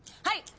はい！